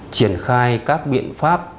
triển khai các biện pháp